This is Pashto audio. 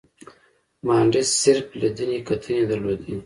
مانډس صرف لیدنې کتنې درلودې.